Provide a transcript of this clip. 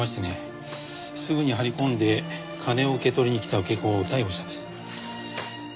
すぐに張り込んで金を受け取りに来た受け子を逮捕したんです。